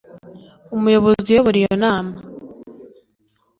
umuyobozi uyobora iyo nama